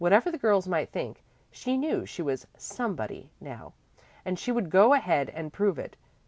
Whatever the girls might think, she knew she was "somebody" now, and she would go ahead and prove it.